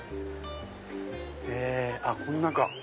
あっこの中！